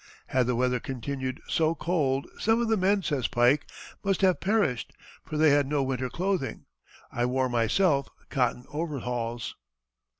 Had the weather continued so cold "some of the men," says Pike, "must have perished, for they had no winter clothing; I wore myself cotton overalls."